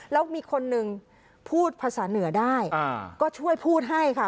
แล้วมีคนนึงพูดภาษาเหนือได้ก็ช่วยพูดให้ค่ะ